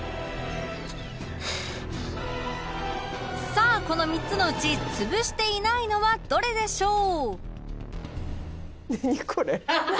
さあこの３つのうち潰していないのはどれでしょう？